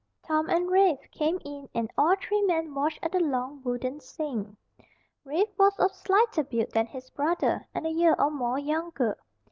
Tom and Rafe came in and all three men washed at the long, wooden sink. Rafe was of slighter build than his brother, and a year or more younger.